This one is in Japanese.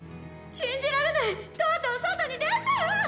信じられない、とうとう外に出た！